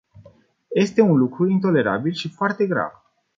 Este un lucru intolerabil și foarte grav.